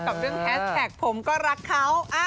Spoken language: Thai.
กับเรื่องแฮสแท็กผมก็รักเขา